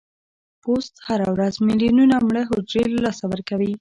پوست هره ورځ ملیونونه مړه حجرې له لاسه ورکوي.